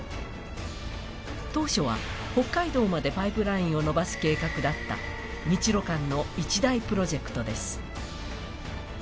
当初は北海道までパイプラインを伸ばす計画だった日ロ間の一大プロジェクトです。